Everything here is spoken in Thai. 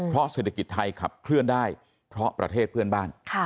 เพราะเศรษฐกิจไทยขับเคลื่อนได้เพราะประเทศเพื่อนบ้าน